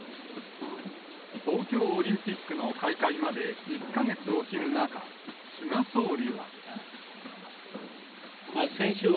東京オリンピックの開会まで１か月を切る中、菅総理は。